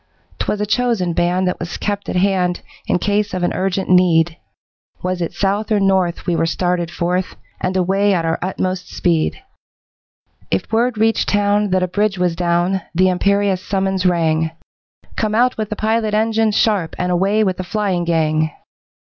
'Twas a chosen band that was kept at hand In case of an urgent need, Was it south or north we were started forth, And away at our utmost speed. If word reached town that a bridge was down, The imperious summons rang 'Come out with the pilot engine sharp, And away with the flying gang.'